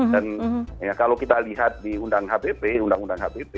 dan kalau kita lihat di undang undang hpp